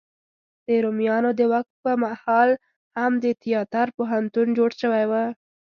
د رومیانو د واک په مهال هم د تیاتر پوهنتون جوړ شوی و.